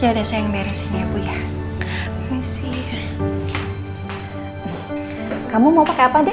ya udah sayang dari sini ya bu ya misi kamu mau pakai apa deh